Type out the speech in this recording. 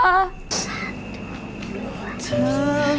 satu dua tiga